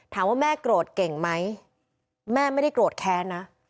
ถามว่าแม่โกรธเก่งไหมแม่ไม่ได้โกรธแค้นนะ